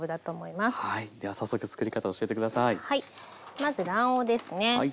まず卵黄ですね。